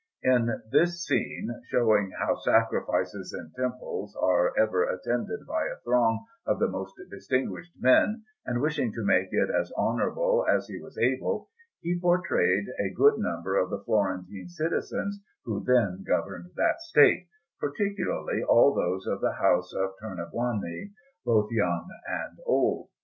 In this scene, showing how sacrifices in temples are ever attended by a throng of the most distinguished men, and wishing to make it as honourable as he was able, he portrayed a good number of the Florentine citizens who then governed that State, particularly all those of the house of Tornabuoni, both young and old.